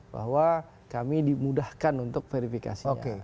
bahwa kami dimudahkan untuk verifikasinya